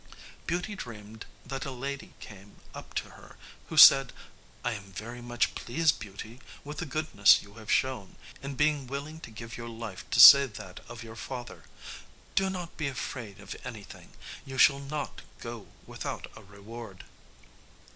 Beauty dreamed that a lady came up to her, who said: "I am very much pleased, Beauty, with the goodness you have shown, in being willing to give your life to save that of your father. Do not be afraid of anything; you shall not go without a reward."